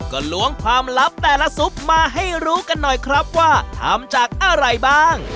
ก็ล้วงความลับแต่ละซุปมาให้รู้กันหน่อยครับว่าทำจากอะไรบ้าง